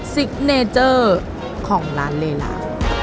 ซิกเนเจอร์ของร้านเลลา